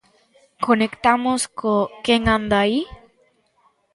Conectamos co Quen anda aí?